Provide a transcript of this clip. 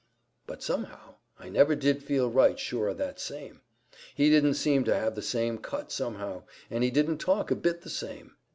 But, somehow, I never did feel right sure o' that same. He didn't seem to have the same cut, somehow; and he didn't talk a bit the same.